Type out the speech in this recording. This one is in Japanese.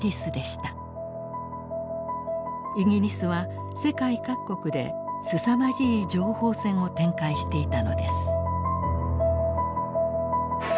イギリスは世界各国ですさまじい情報戦を展開していたのです。